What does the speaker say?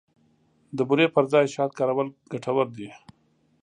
د بوري پر ځای شات کارول ګټور دي.